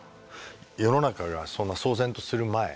世の中がそんな騒然とする前。